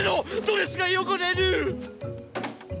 ドレスが汚れる！！